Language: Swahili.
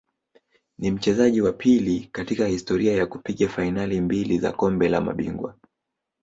Ni mchezaji wa pili katika historia ya kupiga fainali mbili za Kombe la Mabingwa